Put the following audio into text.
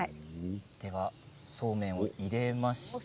では、そうめんを入れまして。